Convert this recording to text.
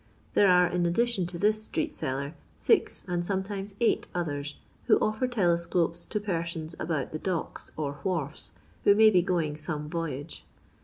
There are, in addition to this street seller, six and sometimes eight others, who offer telescopes to persons about the docks or wharfs, who may be going some voyage.